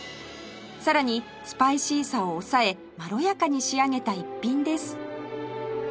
さらにスパイシーさを抑えまろやかに仕上げた逸品です